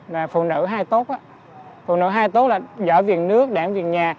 là phụ nữ hai tốt phụ nữ hai tốt là giỏi việc nước đảm việc nhà